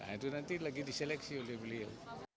itu nanti lagi diseleksi oleh beliau